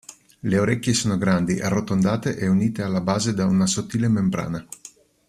Le orecchie sono grandi, arrotondate e unite alla base da una sottile membrana.